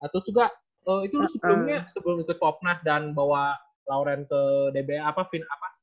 terus juga itu lu sebelumnya sebelum itu popnas dan bawa lauren ke dbl apa fin